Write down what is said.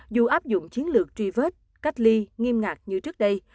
dù áp dụng chiến lược tri vết cách ly nghiêm ngạc như trước đây